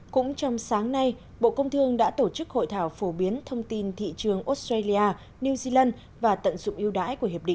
cũng trong sáng nay bộ công thương đã tổ chức hội thảo phổ biến thông tin thị trường australia new zealand và tận dụng yêu đáy của hiệp định